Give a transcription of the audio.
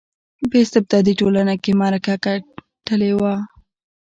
په استبدادي ټولنه کې معرکه ګټلې وای.